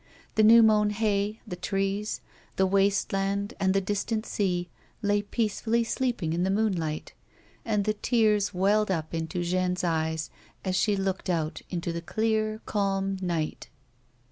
The new mown hay, the trees, the waste land and the distant sea lay peacefully sleeping in the moonlight, and the tears welled up into Jeanne's eyes as she looked out into the clear, calm night.